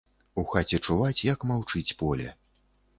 У хаце чуваць, як маўчыць поле.